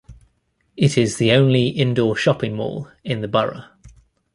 It is the only indoor shopping mall in the borough.